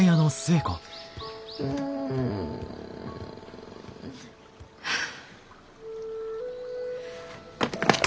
うん。はあ。